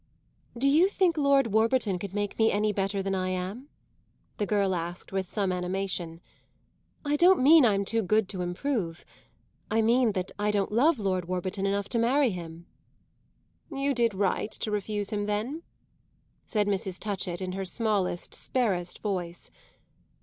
"Do you think Lord Warburton could make me any better than I am?" the girl asked with some animation. "I don't mean I'm too good to improve. I mean that I don't love Lord Warburton enough to marry him." "You did right to refuse him then," said Mrs. Touchett in her smallest, sparest voice.